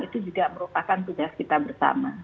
itu juga merupakan tugas kita bersama